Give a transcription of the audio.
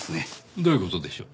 どういう事でしょう？